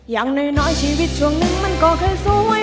อย่างน้อยชีวิตช่วงนึงมันก็เคยสวย